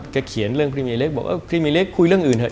เขียนเรื่องพรีเมียเล็กบอกเออพรีเมียเล็กคุยเรื่องอื่นเถ